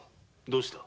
どうした？